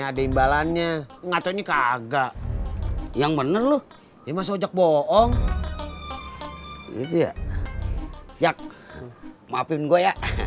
ada imbalannya ngacoinnya kagak yang bener lu ya masih ojek bohong gitu ya yak maafin gua ya